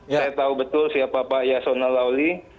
saya tahu betul siapa pak yasona lawli